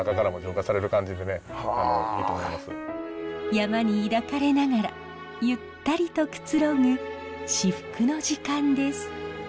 山に抱かれながらゆったりとくつろぐ至福の時間です。